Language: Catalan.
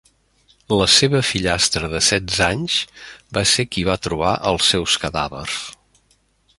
La seva fillastra de setze anys va ser qui va trobar els seus cadàvers.